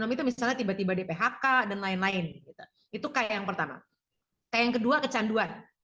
enam itu misalnya tiba tiba di phk dan lain lain itu kayak yang pertama kayak yang kedua kecanduan